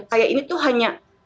kayak ini tuh hanya